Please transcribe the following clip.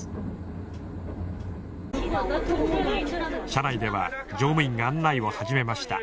車内では乗務員が案内を始めました。